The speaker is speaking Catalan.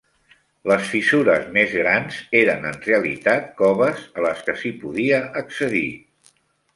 Les fissures més grans eren en realitat coves a les que s'hi podia accedir.